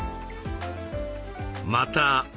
また。